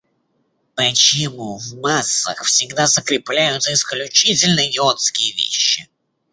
Почему в массах всегда закрепляются исключительно идиотские вещи?